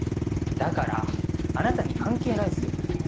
だからあなたに関係ないっすよね。